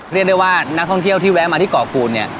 เรียกได้ว่านักท่องเที่ยวที่แวะมาที่เกาะกูลเนี่ย